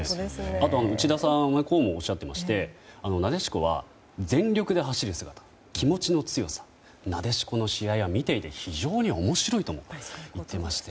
あと内田さんはこうもおっしゃっていましてなでしこは、全力で走る姿気持ちの強さなでしこの試合は見ていて非常に面白いと思うと言っていまして。